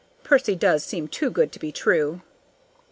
Percy does seem too good to be true.